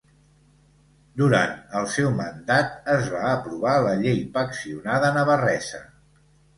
Durant el seu mandat es va aprovar la Llei Paccionada Navarresa.